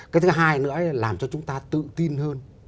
cái thứ hai nữa làm cho chúng ta tự tin hơn